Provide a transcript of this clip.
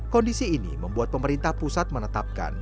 kondisi ini membuat pemerintah pusat menetapkan